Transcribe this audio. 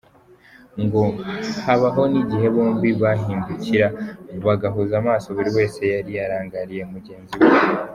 Ngo habaho n’igihe bombi bahindukira bagahuza amaso buri wese yari yarangariye mugenzi we.